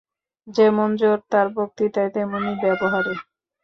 যেমন জোর তাঁর বক্তৃতায় তেমনি ব্যবহারে।